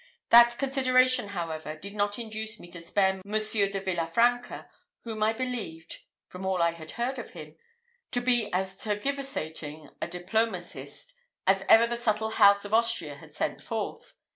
That consideration, however, did not induce me to spare Monsieur de Villa Franca, whom I believed, from all I had heard of him, to be as tergiversating a diplomatist as ever the subtle house of Austria had sent forth.